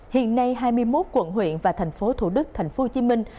hiện nay hai mươi một quận huyện và thành phố thủ đức thành phố hồ chí minh